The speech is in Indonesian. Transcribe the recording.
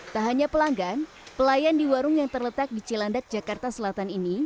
tak hanya pelanggan pelayan di warung yang terletak di cilandak jakarta selatan ini